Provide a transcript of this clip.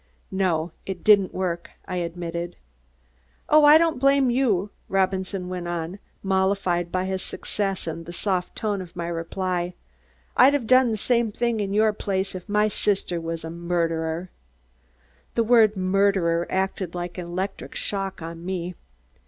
"No. It didn't work," I admitted. "Oh, I don't blame you," Robinson went on, mollified by his success and the soft tone of my reply; "I'd of done the same thing in your place, if my sister was a murderer." The word "murderer" acted like an electric shock on me.